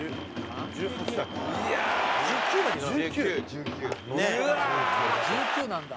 「１９なんだ」